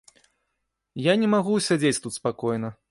Я не магу ўсядзець тут спакойна.